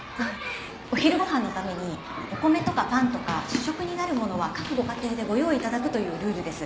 お昼ご飯のためにお米とかパンとか主食になる物は各ご家庭でご用意いただくというルールです。